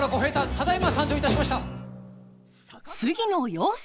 ただいま参上いたしました。